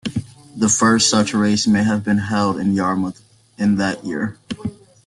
The first such race may have been held in Yarmouth in that year.